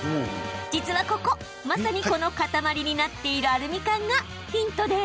実はここ、まさにこの塊になっているアルミ缶がヒントです。